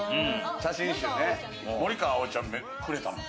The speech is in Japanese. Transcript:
写真集ね、森川葵ちゃんがくれたんよ。